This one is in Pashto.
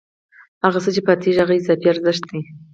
هغه څه چې پاتېږي هغه اضافي ارزښت دی